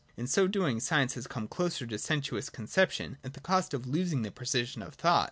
In so doing, science has come closer to sensuous conception, at the cost of losing the precision of thought.